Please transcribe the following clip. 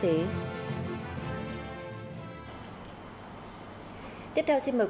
tiếp theo xin mời quý vị cùng đến với những thông tin đáng chú ý khác